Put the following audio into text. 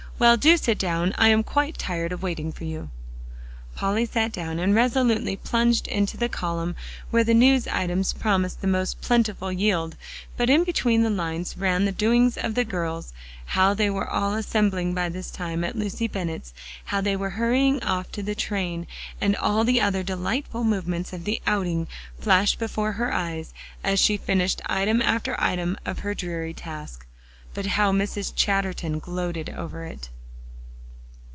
Well, do sit down; I am quite tired waiting for you." Polly sat down, and resolutely plunged into the column where the news items promised the most plentiful yield but in between the lines ran the doings of the girls: how they were all assembling by this time at Lucy Bennett's; how they were hurrying off to the train, and all the other delightful movements of the "outing" flashed before her eyes, as she finished item after item of her dreary task. But how Mrs. Chatterton gloated over it!